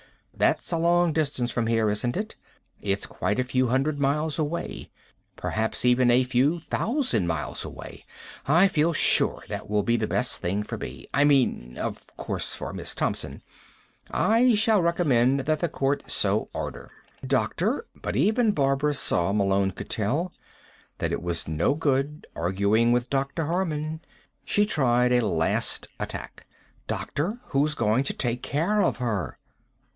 "That's a long distance from here, isn't it? It's quite a few hundred miles away. Perhaps even a few thousand miles away. I feel sure that will be the best thing for me ... I mean, of course, for Miss Thompson. I shall recommend that the court so order." "Doctor " But even Barbara saw, Malone could tell, that it was no good arguing with Dr. Harman. She tried a last attack. "Doctor, who's going to take care of her?"